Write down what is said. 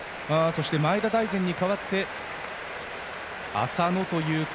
そして、前田大然に代わって浅野。